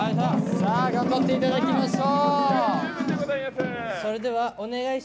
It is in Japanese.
頑張っていただきましょう。